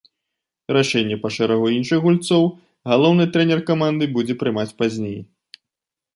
Рашэнне па шэрагу іншых гульцоў галоўны трэнер каманды будзе прымаць пазней.